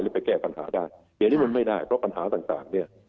ไปแก้ปัญหาได้เดี๋ยวนี้มันไม่ได้เพราะปัญหาต่างเนี่ย